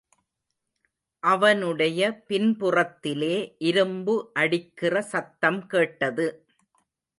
அவனுடைய பின்புறத்திலே, இரும்பு அடிக்கிற சத்தம்கேட்டது.